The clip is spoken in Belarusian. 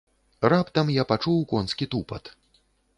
Раптам я пачуў конскі тупат.